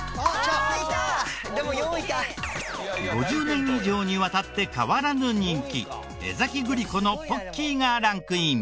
５０年以上にわたって変わらぬ人気江崎グリコのポッキーがランクイン。